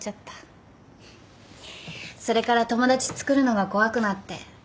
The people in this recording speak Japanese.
それから友達つくるのが怖くなって。